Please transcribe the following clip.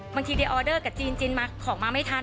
บางทีเดี๋ยวออเดอร์กับจีนมาของมาไม่ทัน